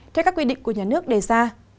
theo các quy định của nhà nước đề ra